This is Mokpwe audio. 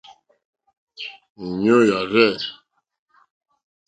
Èɲú yà rzɛ̂.